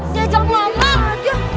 dajak ngomong aja